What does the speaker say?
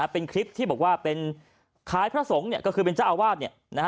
เป็นคลิปที่บอกว่าเป็นคล้ายพระสงฆ์ก็คือเป็นเจ้าอาวาส